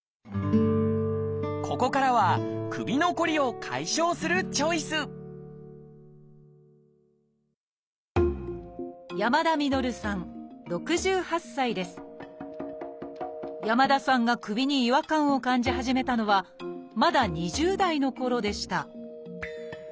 ここからは首のこりを解消するチョイス山田さんが首に違和感を感じ始めたのはまだ２０代のころでした